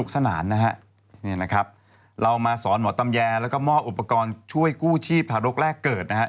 สำหรับทุกคน